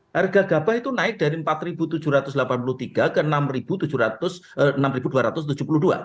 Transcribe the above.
harga gabah itu naik dari rp empat tujuh ratus delapan puluh tiga ke rp enam tujuh ratus tujuh puluh dua